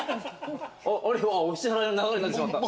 お支払いの流れになってしまった。